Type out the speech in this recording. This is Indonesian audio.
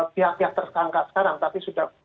pihak pihak tersangka sekarang tapi sudah